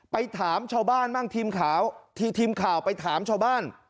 ไปถามชาวบ้านบ้างทีมข่าวที่ทีมข่าวไปถามชาวบ้าน